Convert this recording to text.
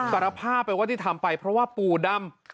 สารภาพไปว่าที่ทำไปเพราะว่าปู่ดำ